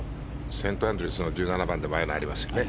セントアンドリュースの１７番でもああいうのがありますよね。